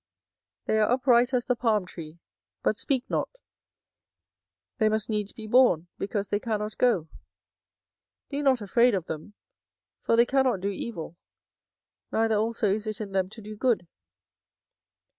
24:010:005 They are upright as the palm tree, but speak not: they must needs be borne, because they cannot go. Be not afraid of them; for they cannot do evil, neither also is it in them to do good.